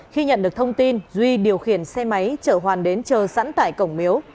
khi nhận được thông tin duy điều khiển xe máy chở hoàn đến chờ sẵn tại cổng miếu